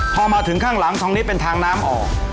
พอมาถึงข้างหลังตรงนี้เป็นทางน้ำออก